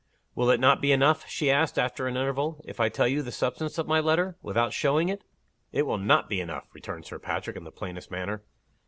"Will it not be enough," she asked, after an interval, "if I tell you the substance of my letter, without showing it?" "It will not be enough," returned Sir Patrick, in the plainest manner.